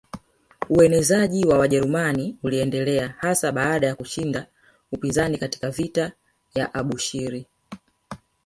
Uenezeaji wa Wajerumani uliendelea hasa baada ya kushinda upinzani katika vita ya Abushiri